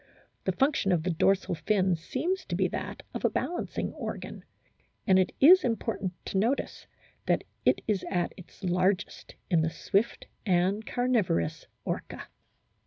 The function of the dorsal fin seems to be that of a balancing organ ; and it is important to notice that it is at its largest in the swift and carnivorous Orca.